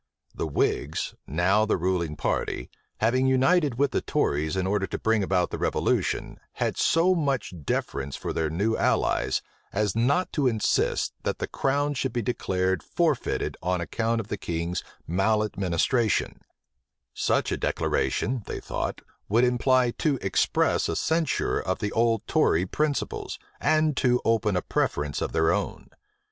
The whigs, now the ruling party, having united with the tories in order to bring about the revolution had so much deference for their new allies, as not to insist that the crown should be declared forfeited on account of the king's maleadministration: such a declaration, they thought, would imply too express a censure of the old tory principles, and too open a preference of their own.